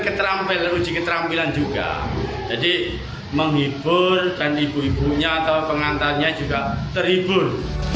keterampilan uji keterampilan juga jadi menghibur dan ibu ibunya atau pengantarnya juga terhibur